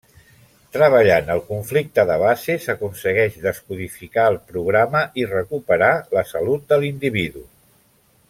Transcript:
Treballant el conflicte de base s’aconsegueix descodificar el programa i recuperar la salut de l’individu.